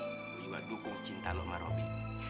gue juga dukung cinta lo sama robby